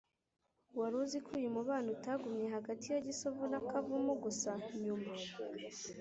wari uzi ko uyu mubano utagumye hagati ya gisovu na kavumu gusa ? nyuma